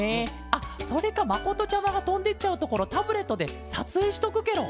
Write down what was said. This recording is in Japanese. あそれかまことちゃまがとんでいっちゃうところをタブレットでさつえいしとくケロ！